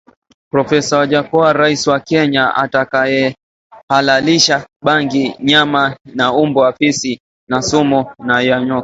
Profesa Wajackoya Rais wa Kenya atakayehalalisha bangi nyama ya mbwa fisi na sumu ya nyoka